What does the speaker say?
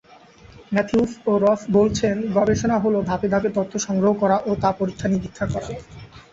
Matthews ও Ross বলছেন, গবেষণা হলো ধাপে ধাপে তথ্য সংগ্রহ করা ও তা পরীক্ষা-নিরীক্ষা করা।